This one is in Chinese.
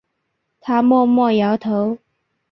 他默默摇头